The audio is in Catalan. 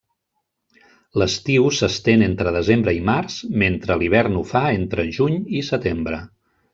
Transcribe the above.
L'estiu s'estén entre desembre i març, mentre l'hivern ho fa entre juny i setembre.